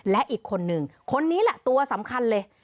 และอีกคนนึงคนนี้แหละตัวสำคัญเลย